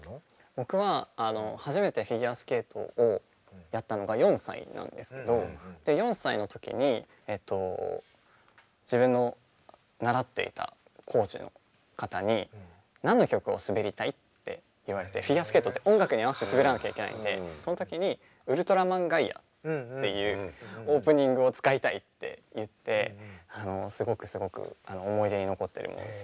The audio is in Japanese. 僕は初めてフィギュアスケートをやったのが４歳なんですけど４歳の時に自分の習っていたコーチの方に「何の曲を滑りたい？」って言われてフィギュアスケートって音楽に合わせて滑らなきゃいけないんでその時に「ウルトラマンガイア」っていうオープニングを使いたいって言ってすごくすごく思い出に残ってるものです。